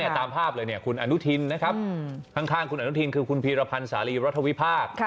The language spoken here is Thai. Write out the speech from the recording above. ตามภาพเลยคุณอนุทินนะครับข้างคุณอนุทินคือคุณพีรพันธ์สารีรัฐวิพากษ์